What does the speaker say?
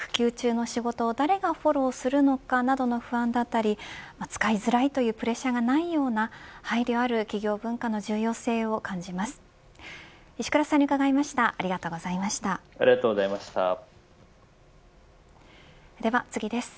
育休中の仕事を誰がフォローするのかなどの不安だったり、使いづらいというプレッシャーがないような配慮ある企業文化の重要性を感じます。